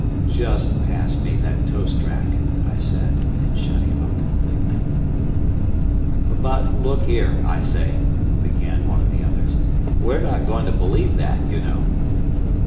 "Just pass me that toast rack," I said, and shut him up completely. "But look here, I say," began one of the others. "We're not going to believe that, you know."